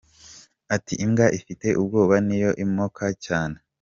Ati “Imbwa ifite ubwoba niyo imoka cyane.